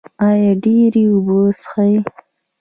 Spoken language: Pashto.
ایا ډیرې اوبه څښئ؟